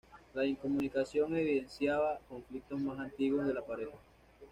La incomunicación evidenciaba conflictos más antiguos de la pareja.